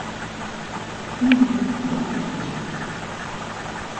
E-mail beäntwurdzje.